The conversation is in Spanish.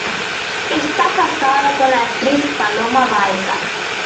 Está casado con la actriz Paloma Baeza.